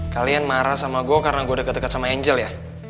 kalian marah sama gue karena gue dekat dekat sama angel ya